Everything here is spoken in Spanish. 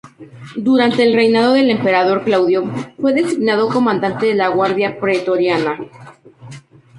Durante el reinado del emperador Claudio fue designado comandante de la Guardia Pretoriana.